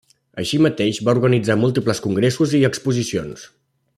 Així mateix va organitzar múltiples congressos i exposicions.